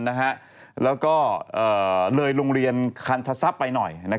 เริ่งลงเรียนคัททะซับไปหน่อย